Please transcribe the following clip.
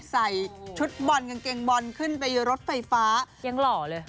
ใส่ชุดบอลกางเกงบอลขึ้นไปรถไฟฟ้ายังหล่อเลย